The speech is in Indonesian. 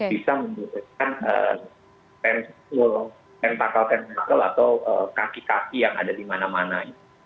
bisa membentukkan tentakel tentakel atau kaki kaki yang ada di mana mana